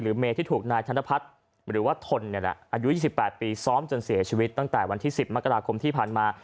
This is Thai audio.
เมย์ที่ถูกนายธนพัฒน์หรือว่าทนอายุ๒๘ปีซ้อมจนเสียชีวิตตั้งแต่วันที่๑๐มกราคมที่ผ่านมา